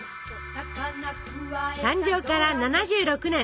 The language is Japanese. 誕生から７６年！